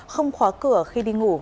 không khóa cửa khi đi ngủ